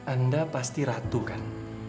anda pasti ratu kan